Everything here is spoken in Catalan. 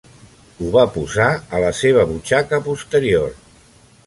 Ho va posar a la seva butxaca posterior.